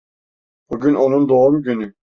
Bugün onun doğum günü.